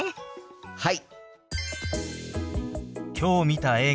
はい！